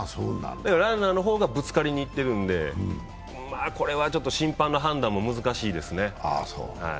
ランナーの方がぶつかりにいってるので、うーん、これは審判の判断も難しいですね。